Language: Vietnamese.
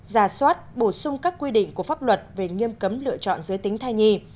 giả soát bổ sung các quy định của pháp luật về nghiêm cấm lựa chọn giới tính thay nhì